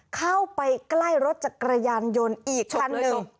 เข้าไปใกล้รถจักรยานยนต์อีกคันหนึ่ง